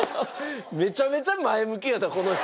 めちゃめちゃ前向きやったこの人。